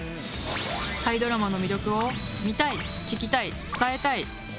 タイドラマの魅力を見タイ、聞きタイ伝えタイ！